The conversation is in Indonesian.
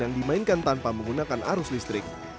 yang dimainkan tanpa menggunakan arus listrik